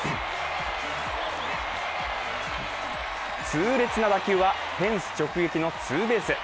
痛烈な打球はフェンス直撃のツーベース。